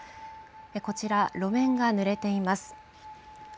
こちら、路面が濡れています。